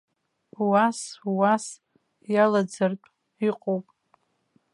Уас, уас, иалаӡартә иҟоуп!